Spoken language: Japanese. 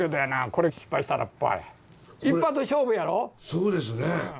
そうですね。